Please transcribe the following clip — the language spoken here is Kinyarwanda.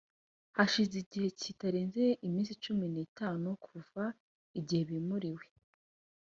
hashize igihe kitarengeje iminsi cumi n itanu kuva igihe bimuriwe